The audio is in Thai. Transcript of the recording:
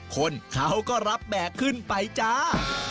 คนเขาก็รับแบกขึ้นไปจ้า